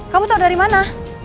kamu tahu dari mana